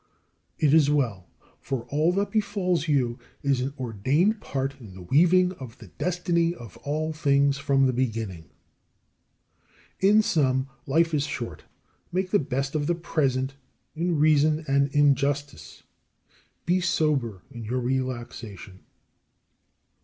It is well; for all that befalls you is an ordained part in the weaving of the destiny of all things from the beginning. In sum, life is short. Make the best of the present in reason and in justice. Be sober in your relaxation.